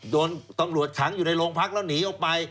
โดนตำรวจขังอยู่ในโรงพักแล้วหนีออกไป